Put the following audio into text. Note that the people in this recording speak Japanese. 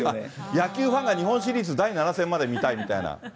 野球ファンが日本シリーズ第７戦まで見たいみたいな。